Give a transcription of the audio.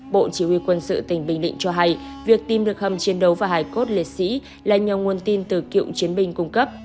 bộ chỉ huy quân sự tỉnh bình định cho hay việc tìm được hầm chiến đấu và hải cốt liệt sĩ là nhờ nguồn tin từ cựu chiến binh cung cấp